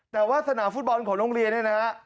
แต่ว่าสนามฟุตบอลของโรงเรียนเนี่ยนะฮะ